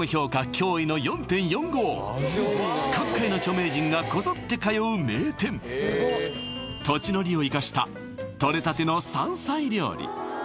驚異の４．４５各界の著名人がこぞって通う名店土地の利を生かしたとれたての山菜料理